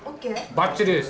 ばっちりです。